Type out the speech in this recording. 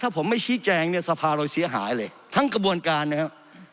ผมไม่ชี้แจงเนี่ยสภาเราเสียหายเลยทั้งกระบวนการนะครับ